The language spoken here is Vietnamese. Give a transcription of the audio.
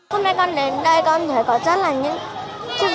hôm nay con đến đây con nhớ có chất là những